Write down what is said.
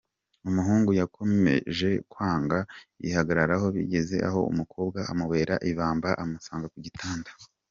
Umuhungu yakomeje kwanga yihagararaho, bigeze aho umukobwa amubera ibamba amusanga ku gitanda.